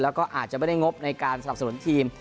แล้วก็อาจจะไม่ได้งบในการสนับสนุนทีม